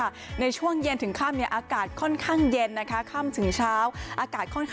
มาในช่วงเย็นถึงค่ามีอากาศข้นเย็นค่ะค่ำถึงเช้าอากาศข้น